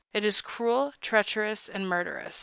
It is cruel, treacherous, and murderous.